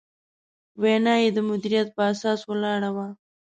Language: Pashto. وینا یې د مدیریت په اساس ولاړه وه.